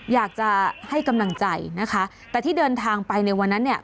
อยากจะให้กำลังใจนะคะแต่ที่เดินทางไปในวันนั้นเนี่ย